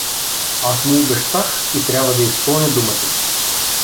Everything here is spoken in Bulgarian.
Аз му обещах и трябва да изпълня думата си.